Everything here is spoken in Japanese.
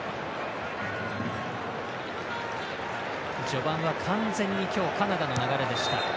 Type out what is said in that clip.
序盤は完全に今日、カナダの流れでした。